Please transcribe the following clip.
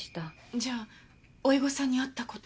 じゃあ甥御さんに会った事も？